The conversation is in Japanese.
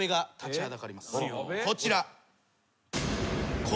こちら。